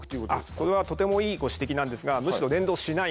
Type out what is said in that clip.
それはとてもいいご指摘ですがむしろ連動しないんです。